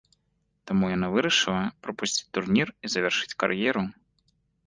Таму яна вырашыла прапусціць турнір і завяршыць кар'еру.